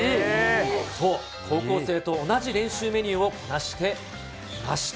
そう、高校生と同じ練習メニューをこなしていました。